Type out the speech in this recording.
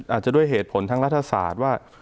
อาจจะด้วยเหตุผลทางรัฐศาสตร์ว่า